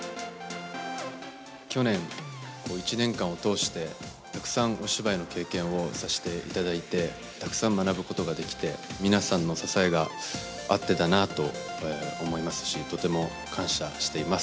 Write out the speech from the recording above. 去年１年間を通して、たくさんお芝居の経験をさしていただいて、たくさん学ぶことができて、皆さんの支えがあってだなと思いますし、とても感謝しています。